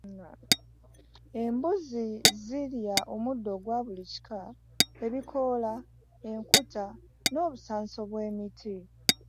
Embuzi zirya omuddo ogwa buli kika, ebikoola, enkuta n’obusanso bw’emiti.